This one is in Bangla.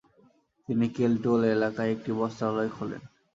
তিনি কেল টোল এলাকায় একটি বস্ত্রালয় খোলেন।